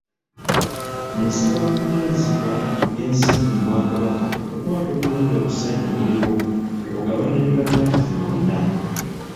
Nsaba abavunaanyizibwa ku by'ensimbi mu Bwakabaka okukwata obulungi obusente obuliwo tubugabane ne bannaffe bonna.